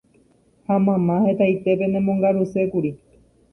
ha mamá hetaite penemongarusékuri